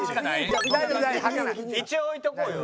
一応置いとこうよ。